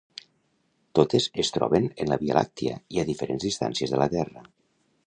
Totes es troben en la Via Làctia i a diferents distàncies de la Terra.